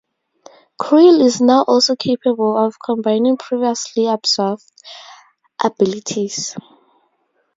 Creel is now also capable of combining previously absorbed abilities.